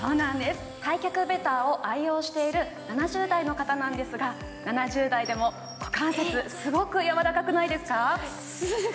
開脚ベターを愛用している７０代の方なんですが、７０代でも股関節、すごく柔らかくないですか？